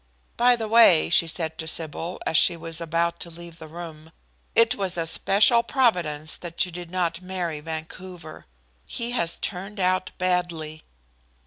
"By the way," she said to Sybil, as she was about to leave the room, "it was a special providence that you did not marry Vancouver. He has turned out badly."